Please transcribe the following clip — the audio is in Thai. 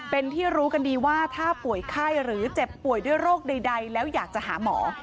เป็นที่รู้กันดีว่าถ้าป่วยไข้หรือเจ็บป่วยด้วยโรคใดแล้วอยากจะหาหมอ